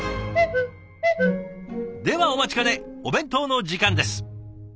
ではお待ちかねお弁当の時間です。